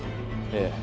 ええ。